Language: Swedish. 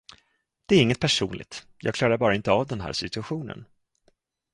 Det är inget personligt, jag klarar bara inte av den här situationen.